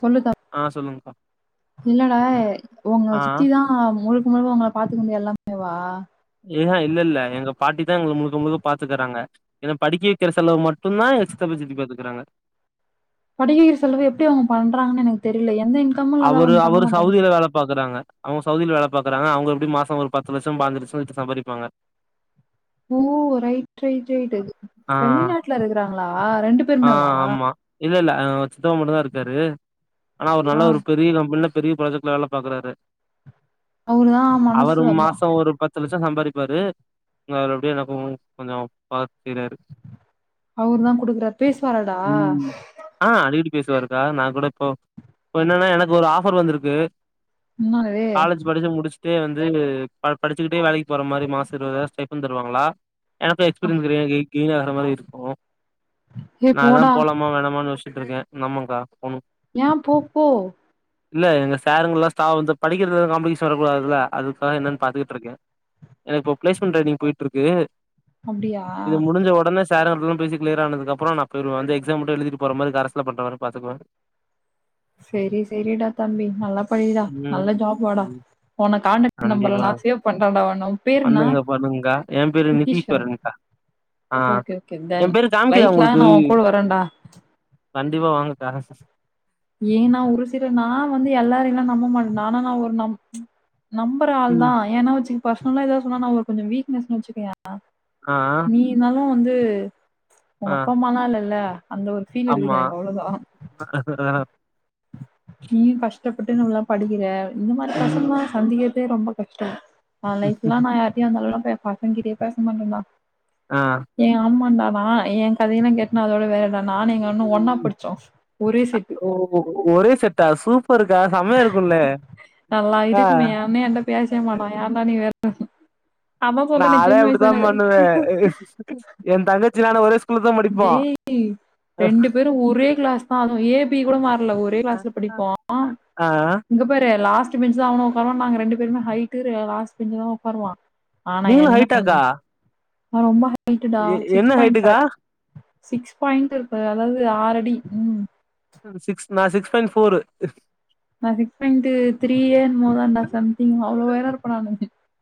சொல்லுதா ஆ சொல்லுங்கா இல்லடா ஆஹ் ஒங்க ஆ சித்தி தா ஆ முழுக்க முழுக்க உன்ன பாத்துக்னது எல்லாமே வா இஹூ இல்லல்ல எங்க பாட்டி தா எங்கள முழுக்க முழுக்க பாத்துக்கறாங்க என்ன படிக்க வக்கிற செலவு மட்டும்ந்தா எங்க சித்தப்பா சித்தி பாத்துக்றாங்க படிக்க வெக்ற செலவு எப்டி அவ்ங்க பண்றாங்கணு எனக்கு தெரில எந்த இ அவரு அவரு சவுதில வேல பாக்குறாங்க அவ்ங்க சவுதில வேல பாக்குறாங்க அவ்ங்க எப்டி மாசோ ஒரு பத்து லட்சோ பாஞ்சு லட்சோ கிட்ட சம்பாரிப்பாங்க ஓ ரைட் ரைட் ரைட் ஆ வெளிநாட்டுல இருக்றாங்களா ரெண்டு பேருமே வா இல்லல்ல சித்தப்பா மட்டுந்தா இருக்காரு ஆனா அவரு ஆ நல்ல ஒரு பெரிய கம்பெனில பெரிய ப்ராஜெக்ட்ல வேல பாக்கறாரு அவருதான் மனசு அவரு ஆமா மாசோ ஒரு பத் த்து லட்சோ சம்பாரிப்பாரு அதுல அப்டியே எனக்கு கொஞ்சோ பாத் செய்றாரு அவருதா குடுக்றார் பேசுவாராடா ம் ஆ அடிகடி பேசுவாருக்கா நா கூட இப்போ இப்ப என்னன்னா எனக்கு ஒரு ஆஃபர் வந்துருக்கு என்னது காலேஜ் படிச்சு முடிச் ட்டு வந்து ப படிச்சுட்டே வேலைக்கு போற மாரி மாசோ இருபதாயிர் ஸ்டைஃபன் தருவாங்ளா எனக்கு எக்ஸ்பீரியன்ஸ் க்ரே கெய்ன் ஆகற மாரி இருக்கு ஏ நா அதா போடா போலாமா வேணமானு யோசிச்சிட்டுருக்கேன் [unintelligible] போணு ஏ போ போ இல்ல எங்க சாருங்கல்லா ஸ்டா வந்து படிக்றதுல காம்படிஷ் வரக்கூடாதுல்ல அதுக்காக என்னன்னு பாத்துக்ட்ருக்கே எனக்கு இப்ப பிளேஸ்மெண்ட் ட்ரைனிங் போயிட்ருக்கு அப்டியா இது முடிஞ்ச உடனே [unintelligible] பேசி கிளீயர் ஆனதுக்கு அப்றோ நா போயிருவோ வந்து எக்ஸாம் மட்டு எழுதிட்டு போற மாரி கரஸ்ல பண்ற மாரி பாக்துக்குவே சரி சரிடா தம்பி நல்லா படிடா ம் நல்ல ஜாப் வாடா ம் போன காண்டக்ட் நம்பர்ல கண்டிப்பா நா சேவ் பண்லடா ஒன்ன உம் பேரென்னா பண்ணுங்க பண்ணுங்கக்கா என் பேரு நித்தீஸ்வரன் நிதீஸ்வரன்க்கா ஆ ஓக்கே ஓக்கே டன் என் பேரு காமிக்குதா லைஃப் லாங் உங்களுக்கு நா உன் கூட வரன்டா கண்டிப்பா வாங்கக்கா ஏன்னா ஒருசில நா வந்து எல்லாரையுலா நம்ப மாட்டண்ட ஆனா ஒரு நம் நம்பற ஆள் ம் தா ஏன்னா வச்சுக் பர்சனலா ஏதாவது சொன்னா நா கொஞ்சோ வீக்னஸ்னு வச்சுக்கயே ஆ ஆ நீ இருந்தாலு வந்து உங்கப்பா அம்மாலா இல்லல்ல அந்த ஒரு ஃபீல் ஆம்மா நீயு கஷ்டப்பட்டு இன்னொல்லா படிக்கிற இந்த மாரி பசங்ளா ம் சந்திக்கறதே ரொம்ப கஷ்டோ ஒ லைஃப்லா நா யார்ட்டையு அந்தளவுலா பசங்ககிட்டயே பேச மாட்டண்டா ஆ எ ஆம்மாண்டா நா எ கதையெல்லா கேட்னா அதோட வேற நானு எங் அண்னு ஒன்னா படிச்சோ ஒரே செட் ஓ ஒரே செட்டா சூப்பரு கா செமயா இருக்குல்ல நல்லா ஆ மணி வேற நானே வயசு அப்டித்தா தானே பண்ணுவே எ தங்கச்சி நானு ஒரே ஸ்கூல்ல தா படிப்போ டேய் ரெண்டு பேரு ஒரே கிளாஸ் தா அதுவு ஏ பி கூட மாறல ஒரே கிளாஸ்ல படிப்போ ஆ ஆ இங்க பாரு லாஸ்ட் பெஞ்சுதா அவுனு உக்காருவா நாங்க ரெண்டு பேருமே ஹைட்டு லாஸ்ட் பெஞ்சு தா உக்காருவா ஆனா நீங்களு என்ன ஒண்ணு ஹைட்டாக்கா நா ரொம்ப ஹைட்டுடா எ என்ன சிக்ஸ் பாய்ண்ட்ஃபை ஹைட்டுக்கா சிக்ஸ் பாயிண்ட் இருக்கு அதாவது ஆறடி ம் சிக்ஸ் நான் சிக்ஸ் பாயிண்ட் ஃபோரு நா சிக் பாய்ன்து த்ரீயே என்னமோதான்டா சம்திங் அவ்ளோ உயர இருப்ப நானு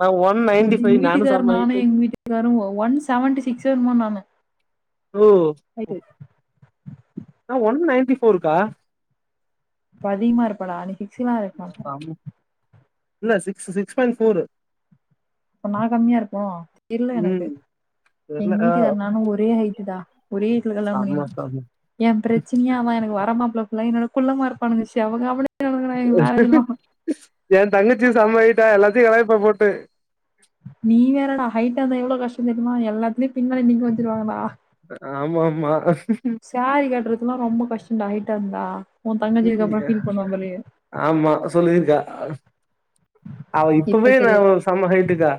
நா ஒன் நைன்டி எங்க ஃபைவ் வீட்டுக்காரு செம நானு ஹைட்டு எங்க வீட்டுக்காரு ஒன் செவன்டி சிக்ஸோ என்னம்மோ நானு ஓ நா ஒன் நைன்டி ஃபோர்க்கா இப்ப அதிகமா இருப்ப நானு [unintelligible] என்ன சிக்ஸ் சிக்ஸ் பாய்ண்ட் ஃபோரு அப்ப நா கம்மியா இருப்போ தெர்ல ம் எனக்கு தெர்ல எங்க ஆ வீட்டுக்காரு நானூ ஒரே ஹைட்டு டா ஒரே வீட்ல கல்யாணோ பண்ணிகனோ செம்ம செம்ம எ பிரச்சனையே அதா எனக்கு வரமாப்ள்ள ஃபுல்லா என்னோட குள்ளமா இருப்பானுங்க செம காமெடியா [inaudible] என்னோட மேரேஜ்லா ஏ தங்கச்சியு செம ஹைட்டா எல்லாத்தையு கலாய்ப்ப போட்டு நீ வேற டா ஹைட்டா இருந்தா எவ்ளோ கஷ்டோ தெரியுமா எல்லாத்திலியு பின்னாடி நிக்க வெச்சிருவாங்கடா ஆமாம்மா சாரி கட்றதுன்னா ரொம்ப கஷ்டோண்டா ஹைட்டா இருந்தா உ தங்கச்சிக்கு அப்றோ ஃபீல் பண்ணுவா [unintelligible] பாரு ஆமா சொல்லுங்கக்கா அவ இப்பமே இப்ப நா தெரியாது ஒரு செம ஹைட்டு கா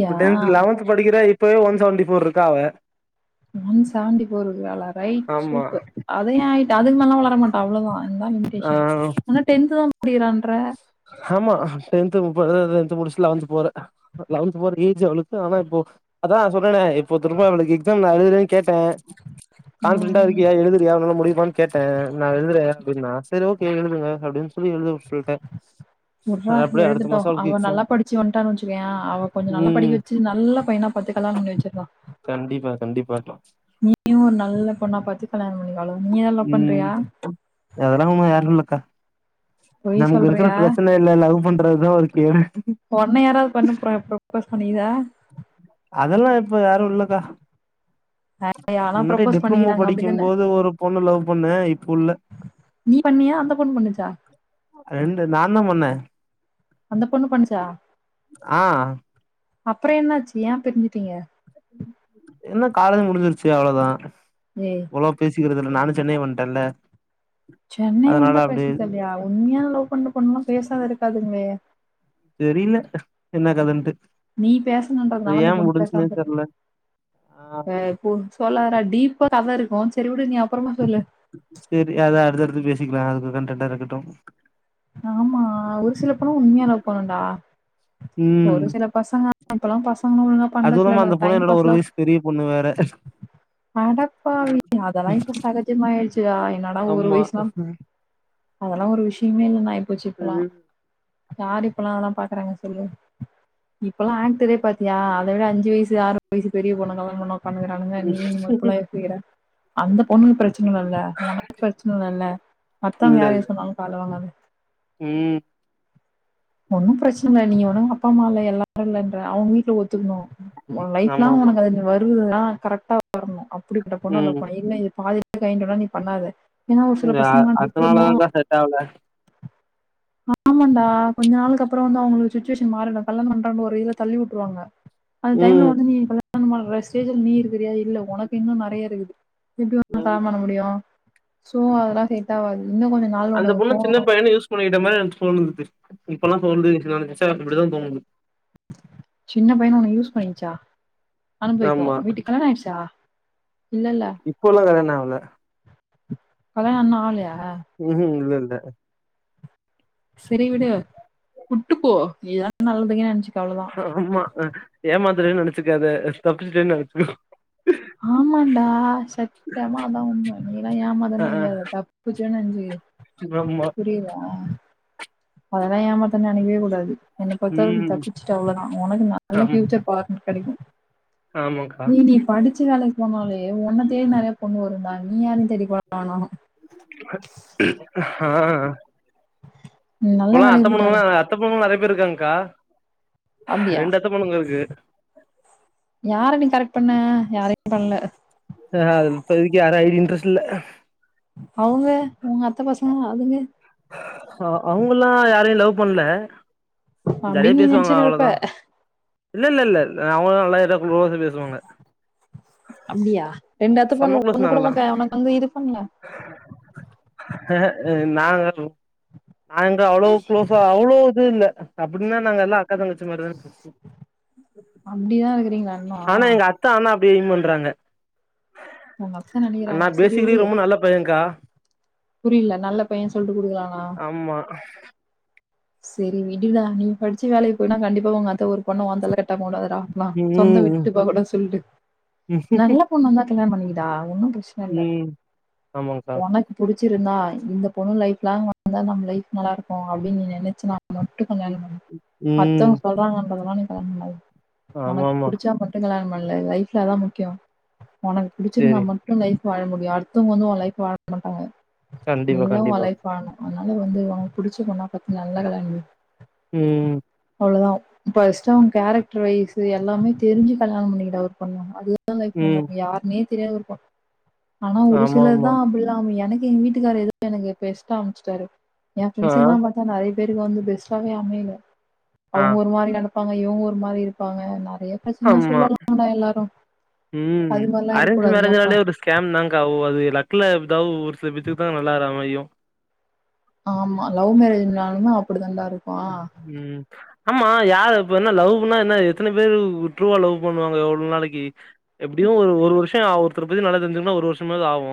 இப்ப டென்த் லெவன்த் படிக்கிற இப்பவே ஒன் செவன்டி ஃபோர் இருக்கா அவ ஒன் செவன்டி ஃபோர் இருக்கராலா ரைட் ஆமா சூப்பர் அது ஏ அய்ட்டு அதுக்கு மேல்னா வர மாட்டா அவ்ளோதா இது தா ஆ லிமிடேஷன் இன்னோ டென்த் தா படிக்கிறான்ற ஆமா டென்து போற டென்த் முடிச்சிட்டு லெவன்த் போற லெவன்த் போறா ஏஜ் அவளுக்கு ஆனா இப்போ அதா சொல்றனே இப்ப திரும்ப அவளுக்கு எக்ஸாம் அதுவரை கேட்ட கான்ஃபிடெண்டா ம் இருக்கியா எழுதிரியா ஒன்னால முடியுமா கேட்ட நா எழுதுற அப்டின்னா சரி ஓகே எழுதுங்க அப்டின்னு சொல்லி எழுத சொல்ட்ட உட்ரா எழுதட்டோ அவ எக்ஸாம் நல்லா படிச்சி வன்டா வச்சிகோயே அவ கொஞ்ச நல்லா ம் படிக்க வெச்சி நல்ல பையனா பாத்து கல்யாணம் பண்ணி வச்சர்ரா கண்டிப்பா கண்டிப்பாக நீயு ஒரு நல்ல பொண்ணா பாத்து கல்யாண பண்ணிக்கோ அவ்ளதா நீ யாரா லவ் பண்றியா அதல்லா அவுங்க யாரு இல்லக்கா பொய் நமக்கு இருக்கற சொல்றியா? பிரஷர்ல இதுல லவ் பண்றதுதா ஒரு கேடு ஒன்ன யாராவது பொண்ணு ப்ரப் ப்ரப்போஸ் பண்ணிகிதா அதெல்லா இப்ப யாரு இல்லக்கா ந [inaudible] யா முன்னடி டிப்ளமோ படிக்கும் போது ஒரு பொண்ண லவ் பண்ண இப்போ இல்ல நீ பண்ணியா அந்த பொண்ணு பண்ணுச்சா ரெண்டு நா தா பண்ண அந்த பொண்ணு பண்ணுச்சா ஆ அப்றோ என்னாச்சு ஏ பிரிஞ்சுட்டீங்க என்ன காலேஜ் முடிஞ்சிருச்சி அவ்ளதா ஏ அவ்ளவா பேசிக்கறது இல்ல நானு சென்னை வன்டல்ல சென்னை வந்தா பேசுறது இல்லையா உண்மையா லவ் பண்ற பொண்ணா இருந்தா பேசாம இருக்காதுல்லே தெரில என்ன கதன்ட்டு நீ அது பேசணுன்றதுனால ஏ அந்த பொண்ணு முடிஞ்சுனே பேசாம இருக்குது தெர்ல ஆ டேய் பொய் சொல்லாதரா டீப்பா கத இருக்கும் சரி வுடு நீ அப்பறமா சொல்லு சேரி அது அடுத்தடுத்து பேசிக்கலா, அதுக்கு கண்டன்டா இருக்கட்டு ஆமா ஒரு சில பொண்ணு உண்மையா லவ் பண்ணுன்டா ம் ஒரு சில பசங்க இப்பல்லா பசங்க ஒழுங்கா பண்றதில்லடா டைம் என்ன ஒரு பாஸ்லாம் வயசு பெரிய பொண்ணு வேற அடப்பாவி அதெல்லா இப்ப சகஜமாயிடுச்ச டா என்னடா ஒரு ஆமா வயசுலா அதெல்லா ஒரு விஷயமே இல்லனு ஆயி போச்சி இப்பலா ம் யாரு இப்பலா அத ல்லா பாக்றாங்க சொல்லு இப்பெல்லா ஆக்டரே பாத்தியா அத விட அஞ்சு வயசு ஆறு வயசு பெரிய பொண்ண கல்யாணம் பண்ணு பண்ணுகிறானுங்க நீ இப்டிலா யோசிக்கிற அந்த பொண்ணுக்கு பிரச்சன இல்லல உனக்கு பிரச்சன இல்லல மத்தவங்க இல்ல யாரு இல்ல எது சொன்னாலு காதுல வாங்காத ம் ஒன்னு பிரச்சன இல்ல நீங்க வேணா அப்பா, அம்மா இல்ல எல்லாரு இல்லன்ற அவங்க வீட்ல ஒத்துக்கணு உ லைஃப் ஆமா லாங் ஆமா உனக்கு அது வருதுன்னா கரெக்டா வரனு அப்டிபட்ட பொண்ண லவ் ம் பண்ணனு இல்ல இது பாதி கயன்டுனா நீ பண்ணாத ஏனா ஒரு சில இந்த அ பசங்களா டிப்ளமோ அதனாலதான்க்கா செட் ஆகல ஆமாண்டா கொஞ்ச நாளுக்கு அப்றோ வந்து அவுங்களுக்கு சுச்சுவேஷன் மாறிடு கல்யாணோ பண்றோன்னு ஒரு இதுல தள்ளி விட்ருவாங்க அந்த டைம்ல ம் வந்து நீ கல்யாண பண்ற ஸ்டேஜ்ல நீ இருக்கிறீயா இல்ல ஒனக்கு இன்னு நெறைய இருக்குது எப்டி ஒன்னால ம் கல்யாணோ பண்ண முடியு சோ அதெல்லா செட் ஆவாது இன்னு கொஞ்சோ அந்த பொண்ணு சின்ன பையனு யூஸ் பண்ணிகிட்ட மாரி எனக்கு தோணுது இப்பெல்லா தோணுது நெனச்சா இப்டிதா தோணுது சின்ன பையனு ஒண்ண யூஸ் பண்ணிருச்சா, அனுபவிக்கு ஆமா விடு, கல்யாண ஆயிடுச்சா? இல்லல்ல இப்போல்லா கல்யாண ஆவல கல்யாணோ இன்னு ஆவலயா ம்கும் இல்ல இல்ல செரி விடு வுட்டு போ இதா நல்லதுங்கினு நெனச்சுக்கோ அவ்ளோதா ஆமா, அ ஏமாந்துடேன்னு நெனச்சுக்காத தப்பிச்சுட்டேன்னு நெனச்சுக்கோ ஆமாண்டா சத் தியமா அதா உண்ம நீயெல்லா அ ஏமாந்துடேனு ஆ நெனக்காத, தப்பிச்சோனு நெனச்சுக்க ஆமா புரியுதா, அதெல்லா ஏமாத்தனு நெனக்கவே கூடாது என்ன பொறுத்த அளவுக்கு நீ ம் தப்பிச்சிட அவ்ளோதா ஒனக்கு நல்ல ஆமா ஃபியூச்சர் பாட்னர் கெடைக்கு ஆமாக்கா படிச்சு வேலைக்கு போனாலே ஒன்ன தேடி நெறைய பொண்ணு வருண்டா நீ யாரையு தேடி போவ வேணா ஆ நீ நல்ல இப்பல்லா அத்த வேலைக்கு போயிட்டாலே பொண்ணுகளு அத்த பொண்ணுகளு நறைய பேர் இருக்காங்கக்கா அப்படியா ரெண்டு அத்த பொண்ணுங்க இருக்கு யார நீ கரெக்ட் பண்ண? யாரையு பண்ணல ஆஹ அது இப்பதைக்கு யாரா ஐடி இன்ட்ரெஸ்ட் இல்ல அவுங்க உங்க அத்த பசங்க அதுங்க அ அவுங்கல்லா யாரையு லவ் பண்ல ஜாலியா அப்படின்னு நீ பேசுவாங்க நினைச்சுன்னு இருப்ப அவ்ளோதா இல்ல இல்ல இல்ல இல்ல அவுங்களு நல்லா இதா குளோச பேசுவாங்க அப்டியா ரெண்டு அத்த பொண்ணுகள்ல ஒண்ணு கூடமாக்க ஒனக்கு வந்து இது பண்ல அஹ நாங்க நாங்க அவ்ளோ குளோஸா அவ்ளோ இது இல்ல அப்டினா நாங்க எல்லா அக்கா தங்கச்சி மாரிதான பேசுவோ அப்டிதா இருக்குறீங்களா இன்னு ஆனா எங்க அத் தா ஆனா அப்டியே பண்றாங்க உங்க அத்த நெனைக்கிறாங்க நா செரி ப்பேசிக்கலி ரொம்ப நல்ல பையக்கா புரில நல்ல பைய சொல்ட்டு குடுக்கலானா அம்மா செரி விடுடா நீ படிச்சி வேலைக்கி போனா கண்டிப்பா உங்க அத்த ஒரு பொண்ண ஓந்தலைல கட்டாம வுடா லா லா சொந்தோ ம் விட்டுப்போ கூடாது சொல்ட்டு நல்ல பொண்ணு வந்தா கல்யாணோ பண்ணிக்கடா ஒன்னு ப்ர ச்சன இல்ல ம் ஆமாங்க்கா ஒனக் புடிச்சிருந்தா இந்த பொண்ணு லைஃப் லாங் வந்தா நம்ம லைஃப் நல்லா இருக்கு அப்டினு நீ நெனச்சினா மொத் டு கல்யாணோ பண்ணு ம் மத்தவுங்க சொல்றாங்கன்றதெல்லா நீ கல்யாண பண்ணாத ஆமா ஒனக்கு ஆமா புடிச்சா மட் கல்யாண பண்லே லைஃப்ல அதா முக்கியோ ஒனக்கு புடிச்சிருந்தா சேரி மட் டு லைஃப் வாழ முடியு அடுத்தவுங்க வந்து உ லைஃப் வாழ மாட்டாங்க கண்டிப்பா நீதா உ கண்டிப்பா லைஃப் வாழணு அதனால வந்து ஒனக்கு புடிச்ச பொண்ணா பாத்து நல்லா கல்யாணோ பண் ம் அவ்ளோதா ஃபஸ்ட்டு அவுங்க கேரக்டர் வைஸ்சு எல்லாமே தெரிஞ்சு கல்யாணம் பண்ணிக்கடா ஒரு பொண்ண அது தா லைஃப் நல்லா ம் இருக்கு யாருனே தெரியாத ஒரு பொண் ஆனா ஒரு ஆமா சிலர் தா ஆமா அப்டில்லா அமையு எனக்கு எங்க வீட்டுக்காரு எதோ எனக்கு பெஸ்டா அமச்சுட்டாரு எ ஆ ஃப்ரெண்ட்சுகெல்லா பாத்தா நெறைய பேருக்கு வந்து பெஸ்ட்டாவே அமையல ஆ அவுங்க ஒரு மாரியான ஆமா இவங்க ஒரு மாரி இருப்பாங்க நெறைய பெரச்சனலா ஆமா சொல்லலா எல்லாரு அது மாரிலா இருக் கூடாதுல அப்றோ கேம் தாங் கா ஓ அது லக்லதௌவ் ஒரு சில பேத்துக்கு தா நல்லா அது அமையு ஆமா லவ் மரேஜ்னாலுமே அப்டி தாண்டாருக் ம் ஆமா யார் இப்ப என்ன லவ் பண்ணா என்ன எத்தன பேரு ட்ரூவா லவ் பண்ணுவாங்க எவ்ள நாளைக்கு எப்டியு ஒரு ஒரு வருஷோ ஒருத்தர பத்தி நல்லா தெரிஞ்சுக்கனுனா ஒரு வருஷமாது ஆவு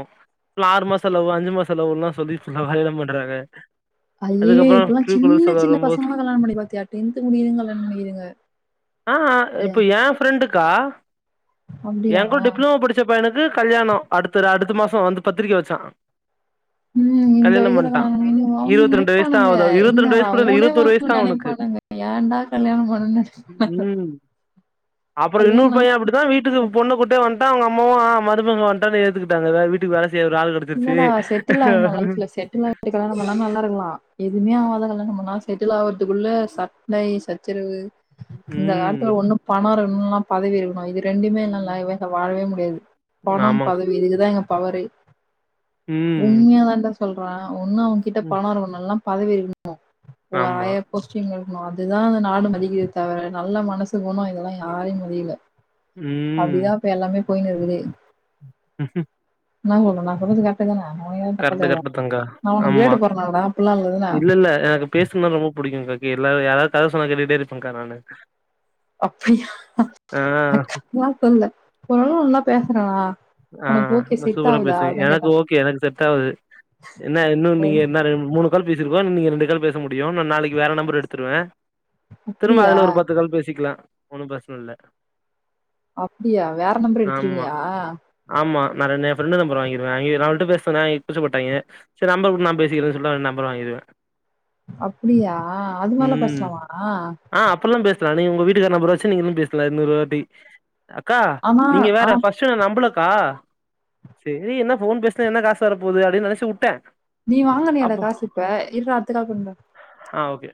இல்ல ஆறு மாச லவ்வு அஞ்சு மாச செலவுல்லா சொல்லி நா என்ன பண்றாக ஐயயோ இப்பல்லா சின் சின்ன வரும்போது பசங்களா கல்யாணோ பண்ணி பாத்தியா டென்த்து முடியிதுங் கல்யாணோ பண்ணிக்குதுங்க ஆ இல்லயா இப்ப ஏ ஃப்ரெண்டுக்கா எ அப்டியா? கூட டிப்ளமோ படிச் ச பையனுக்கு கல்யாணோ அடுத்த அடுத்த மாசோ வந்து பத்திரிக வச்சா ம் இந்த கல்யாணம் வயசுல பண்ட்டா கல்யாணோ பண்ணி அவங்க இருவத்தி ரெண்டு வயசு தா நெனைப்பானுங்க ஆவுது இருவத்தி என்னா ரெண்டு வயசு கூட இல்ல மூனே இருவத்தோரு வயசு மாசத்துல தா அவனுக்கு நெனைப்பானுங்க ஏன்டா கல்யாணோ பண்ணோனு ம் அப்புறோ இன்னொரு பைய அப்டித்தா வீட்டுக்கு பொண்ணு கூட்டே வன்டா அவங்க அம்மாவு ஆ மருமக வன்டான் ஏத்துக்கிட்டாங்க அ வீட்டுக்கு வேல செய்ய ஒரு ஆளு இல்லடா செட்டில் ஆயிட்னு லைஃப்ல செட்டில் ஆ இத வேனா பண்ணா நல்லா இருக்கலா எதுவுமே ஆகாத கல்யாணோ பண்ணா செட்டில் ஆகறதுக்குள்ள சண்டை சச்சரவு இந்த காலத்துல ம் ஒண்ணு பணோ இருக்கணு இல்ல பதவி இருக்கணு இது ரெண்டுமே இல்ல வாழவே முடியாது பணோ ஆமாங் பதவி இதுதா இங்க பவரே ம் உண்மையா தாண்டா சொல்ற ஒன்னு அவ கிட்ட ம் பணோ இருக்கணு இல்ல பதவி இருக்கணு ஓ ஆமா ஆ கொஷ்டின் இருக்கணு அதுதா அந்த நாடு மதிக்குது தவிர நல்ல மனசுக்குணு இதெல்லா யாரையு மதிகல ம் அப்டிதா இப்ப எல்லாமே போயின்னு இருக்குது ம் ம் என்ன சொல்ற நா சொன்னது க கரெக்ட்டு கரெக்ட்டு [unintelligible] தாங்க்கா நான் உன்ன ஆமா பிளேடு போடுறனாடா அப்டில்லா இல்லலடா இல்ல இல்ல எனக்கு பேசுனா ரொம்ப புடிக்குங்கா இல்ல யாராது கத சொன்னா கேட்டுட்டே இருப்பேன்க்கா நானு அப்டியா ஆ அக்கான்லா சொல்ல [unintelligible] நல்லா பேசுற வா ஆ சூப்ப சூப்பரா பேசுறீங் எனக்கு ஓகே எனக்கு செட் ஆவுது என்ன இன்னு ஓ! நீங்க என்ன ரண்டு மூணு கால் பேசிருக்கோ நீங்க ரெண்டு கால் பேச முடியு நா நாளைக்கு வேற நம்பர்ரு எடுத்துருவே திரும்ப அப்படியா? அதுல ஒரு பத்து கால் பேசிக்கலா ஒன்னு பிரச்சன இல்ல அப்டியா வேற நம்பர்ரு ஆமா எடுத்துருவீய்யா ஆமா நா ரெண்டு் எ ஃபிரண்ட்டு நம்பர்ரு வாங்கிருவே இரா அவள்ட்ட பேஸ் சொன்னா கூச்சபட்டாய்ங்க கூச்சப்பட்டாய்ங்க சரி நம்பர் குடு நா பேசிக்கிறே சொல்ட்டு நா நம்பர்ரு வாங்கிருவே அப்டியா அது மார்லா ம் பேஸ்லாமா ஆ அப்பெல்லா பேஸ்லா நீங்க உங்க வீட்டுக்கார் நம்பர்ரு வச்சு நீங்களு பேஸ்லா இன்னொருவாட்டி அக்கா ஆமா, நீங்க ஆ வேற ஃபஸ்ட்டு நா நம்பளக் கா சேரி என்ன ஃபோன் பேசுனா என்ன காசு வரப்போது அப்டின்னு நெனச்சிவுட்டே நீ வாங்குனியாட காசு இப்ப இர்ரா அடுத்த கால் பண்ற ஆ ஓகே